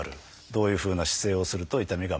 どういうふうな姿勢をすると痛みが増す。